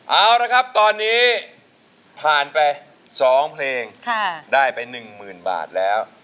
เอาละครับตอนนี้ผ่านไป๒เพลงได้ไป๑๐๐๐บาทแล้ว